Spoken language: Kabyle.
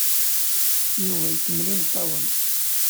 Yuba ikemmel imeṭṭawen.